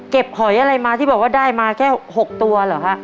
หอยอะไรมาที่บอกว่าได้มาแค่๖ตัวเหรอคะ